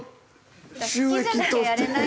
好きじゃなきゃやれないですよね。